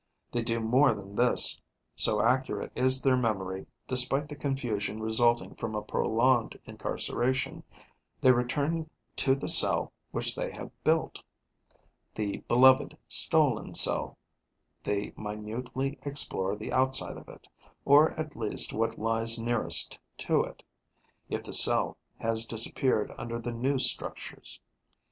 They do more than this, so accurate is their memory, despite the confusion resulting from a prolonged incarceration: they return to the cell which they have built, the beloved stolen cell; they minutely explore the outside of it, or at least what lies nearest to it, if the cell has disappeared under the new structures.